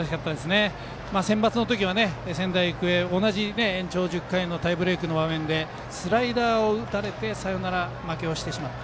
センバツのときは仙台育英同じ延長１０回のタイブレークの場面でスライダーを打たれてサヨナラ負けをしてしまった。